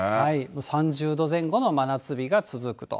３０度前後の真夏日が続くと。